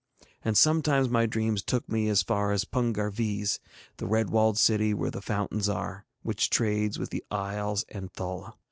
And sometimes my dreams took me as far as Pungar Vees, the red walled city where the fountains are, which trades with the Isles and Thul.